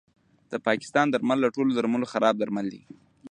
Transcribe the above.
د پاکستان درمل له ټولو درملو خراب درمل دي